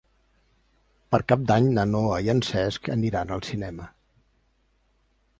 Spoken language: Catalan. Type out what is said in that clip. Per Cap d'Any na Noa i en Cesc aniran al cinema.